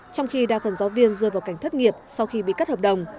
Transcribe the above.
trong khi đa phần giáo viên rơi vào cảnh thất nghiệp sau khi bị cắt hợp đồng